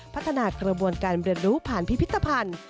พัฒนากระบวนการเรียนรู้ผ่านพิพิธภัณฑ์